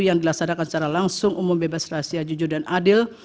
yang dilaksanakan secara langsung umum bebas rahasia jujur dan adil